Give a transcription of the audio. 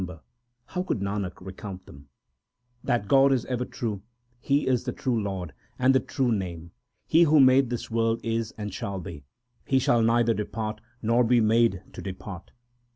P 2 THE SIKH RELIGION tat God is ever true, He is the true Lord, and the true iame. He who made this world is and shall be ; He shall neither depart, nor be made to depart.